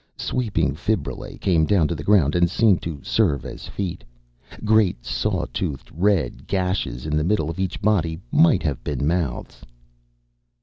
Sweeping fibrillae came down to the ground and seemed to serve as feet. Great saw toothed red gashes in the middle of each body might have been mouths.